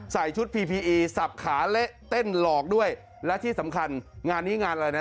ใส่ชุดพีพีอีสับขาเละเต้นหลอกด้วยและที่สำคัญงานนี้งานอะไรนะ